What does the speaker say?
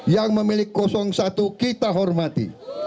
yang memiliki satu kita hormati